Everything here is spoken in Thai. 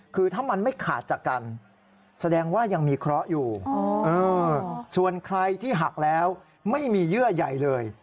คือถ้ามันไม่ขาดจากกันแสดงว่ายังมีเคราะห์อยู่ส่วนใครที่หักแล้วไม่มีเยื่อใหญ่เลย